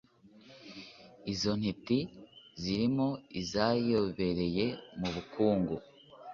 Izo ntiti zirimo izazobereye mu bukungu